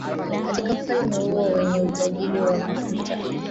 katika ufalme huo wenye utajiri wa mafuta